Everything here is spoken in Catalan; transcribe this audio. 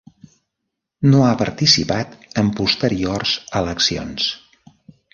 No ha participat en posteriors eleccions.